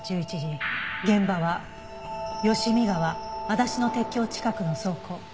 現場は吉美川あだしの鉄橋近くの倉庫。